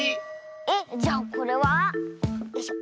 えっじゃあこれは？よいしょ。